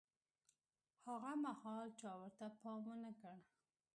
هاغه مهال چا ورته پام ونه کړ.